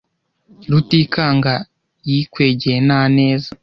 Rutikanga yikwegeye na neza